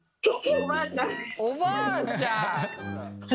おばあちゃん！